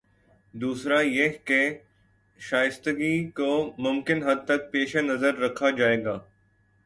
دوسرا یہ کہ شائستگی کو ممکن حد تک پیش نظر رکھا جائے گا۔